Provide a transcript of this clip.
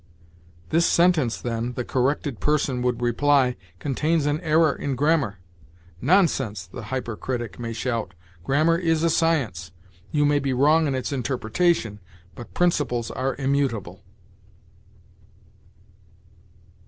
'This sentence, then,' the corrected person would reply, 'contains an error in grammar.' 'Nonsense!' the hypercritic may shout, 'grammar is a science; you may be wrong in its interpretation, but principles are immutable!'